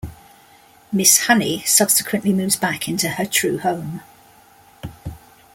Miss Honey subsequently moves back into her true home.